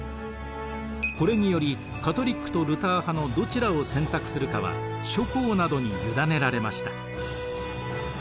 これによりカトリックとルター派のどちらを選択するかは諸侯などに委ねられました。